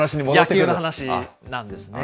野球の話なんですね。